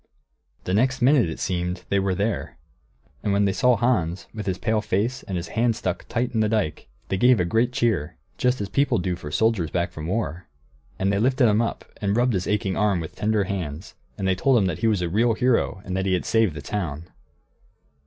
The next minute, it seemed, they were there. And when they saw Hans, with his pale face, and his hand tight in the dike, they gave a great cheer, just as people do for soldiers back from war; and they lifted him up and rubbed his aching arm with tender hands, and they told him that he was a real hero and that he had saved the town.